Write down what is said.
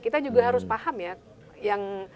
kita juga harus paham ya yang